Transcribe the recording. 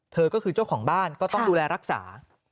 เธอก็คือเจ้าของบ้านก็ต้องดูแลรักษา